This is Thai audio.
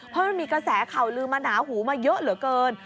เพราะมันมีกระแสข่าวลืมมาหนาหูมาเยอะเหลือเกิน